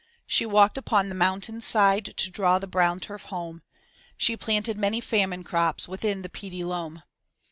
She walked upon the mountain's side to draw the brown turf home, She planted many famine crops within the peaty loam.